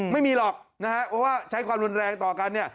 ไม่มีหรอกนะฮะเพราะว่าใช้ความรุนแรงต่อกันเนี่ย